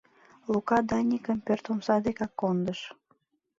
Лука Даникым пӧрт омса декак кондыш.